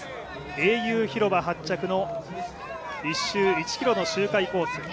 英雄広場発着の１周１ｋｍの周回コース。